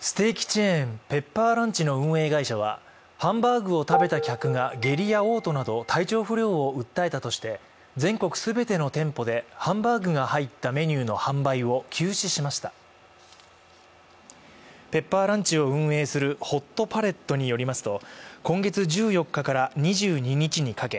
ステーキチェーンペッパーランチの運営会社はハンバーグを食べた客が下痢や嘔吐など体調不良を訴えたとして全国すべての店舗でハンバーグが入ったメニューの販売を休止しましたペッパーランチを運営するホットパレットによりますと今月１４日から２０日にかけ